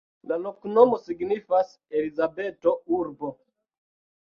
La loknomo signifas: Elizabeto-urbo.